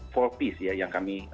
four piece yang kami